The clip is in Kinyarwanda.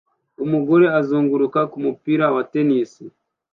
Umugore azunguruka kumupira wa tennis